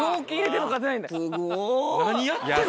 何やってんの？